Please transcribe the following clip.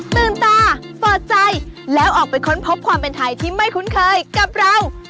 ตื่นตาเปิดใจแล้วออกไปค้นพบความเป็นไทยที่ไม่คุ้นเคยกับเรา